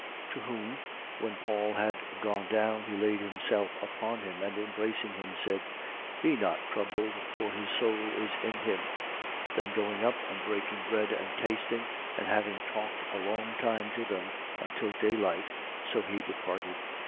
20:10. To whom, when Paul had gone down, he laid himself upon him and, embracing him, said: Be not troubled, for his soul is in him. 20:11. Then going up and breaking bread and tasting and having talked a long time to them, until daylight, so he departed. 20:12.